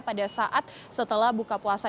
pada saat setelah buka puasa